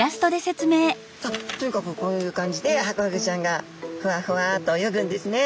とにかくこういう感じでハコフグちゃんがふわふわと泳ぐんですね。